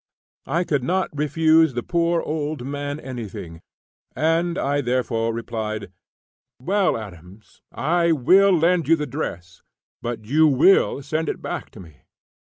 I could not refuse the poor old man anything, and I therefore replied: "Well, Adams, I will lend you the dress; but you will send it back to me."